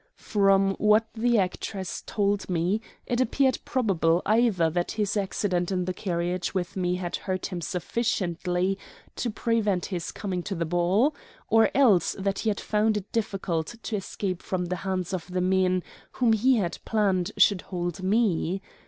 From what the actress told me, it appeared probable either that his accident in the carriage with me had hurt him sufficiently to prevent his coming to the ball, or else that he had found it difficult to escape from the hands of the men whom he had planned should hold me.